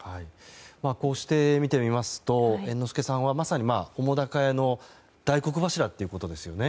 こうして見てみますと猿之助さんはまさに、澤瀉屋の大黒柱ということですよね。